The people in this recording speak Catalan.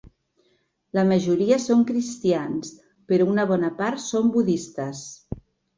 La majoria són cristians però una bona part són budistes.